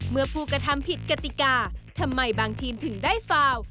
เมื่อผู้กระทำผิดกติกาทำไมบางทีมถึงได้ฟาว